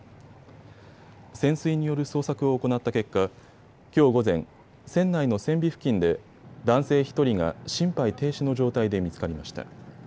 潜水による捜索を行った結果きょう午前、船内の船尾付近で男性１人が心肺停止の状態で見つかりました。